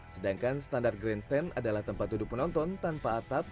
sedangkan standar grandstand adalah tempat duduk penonton tanpa atap